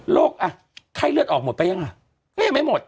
อ่ะไข้เลือดออกหมดไปยังอ่ะก็ยังไม่หมด